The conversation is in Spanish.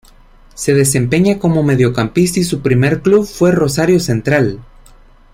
Se desempeña como mediocampista y su primer club fue Rosario Central.